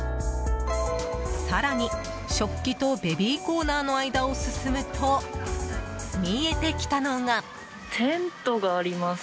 更に、食器とベビーコーナーの間を進むと、見えてきたのが。